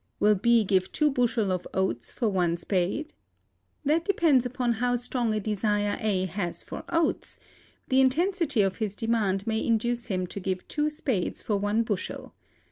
Will B give two bushels of oats for one spade? That depends upon how strong a desire A has for oats; the intensity of his demand may induce him to give two spades for one bushel.